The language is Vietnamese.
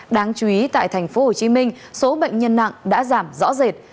đáng chú ý tại thành phố hồ chí minh số bệnh nhân nặng đã giảm rõ rệt